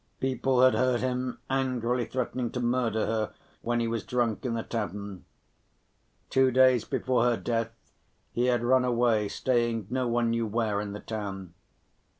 People had heard him angrily threatening to murder her when he was drunk in a tavern. Two days before her death, he had run away, staying no one knew where in the town.